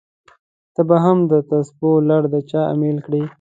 ته به هم دتسبو لړ د چا امېل کړې!